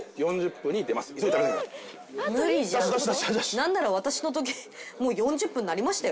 何なら私の時計もう４０分なりましたよ。